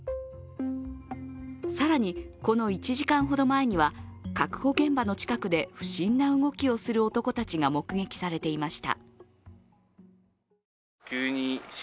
更に、この１時間ほど前には確保現場の近くで不審な動きをする男たちが目撃されていました。